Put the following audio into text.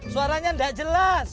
suaranya nggak jelas